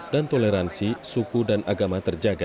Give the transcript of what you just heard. dan toleransi suku dan agama terjaga